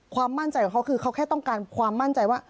ความมั่นใจของเขาคือเขาแค่ต้องการความมั่นใจว่า